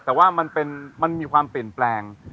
แต่ว่ามันมีความเปลี่ยนแปลง